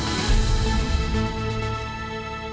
kita akan segera kembali tetaplah bersama kami